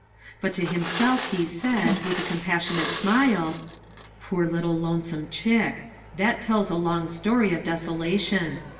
But to himself he said, with a compas sionate smile :" Poor lonesome little chick ! that tells a long story of desolation.